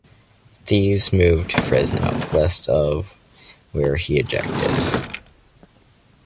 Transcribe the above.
Steeves moved to Fresno, west of where he ejected.